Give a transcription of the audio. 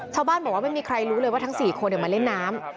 ชาวบ้านบอกว่าไม่มีใครรู้เลยว่าทั้ง๔คนมาเล่นน้ำ